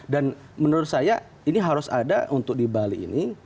dan menurut saya ini harus ada untuk di bali ini